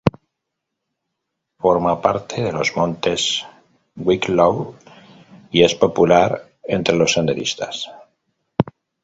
Forma parte de los Montes Wicklow y es popular entre los senderistas.